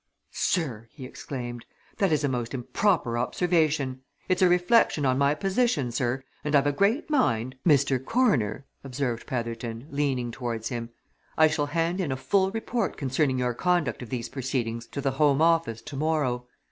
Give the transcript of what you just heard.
"Sir!" he exclaimed. "That is a most improper observation! It's a reflection on my position, sir, and I've a great mind " "Mr. Coroner," observed Petherton, leaning towards him, "I shall hand in a full report concerning your conduct of these proceedings to the Home Office tomorrow.